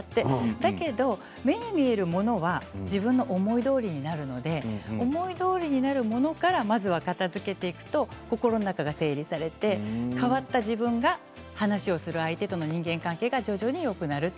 だけど目に見えるものは自分の思いどおりなるので思いどおりになるものからまずは片づけていくと心の中が整理されて変わった自分が話をする相手と人間関係が徐々によくなると。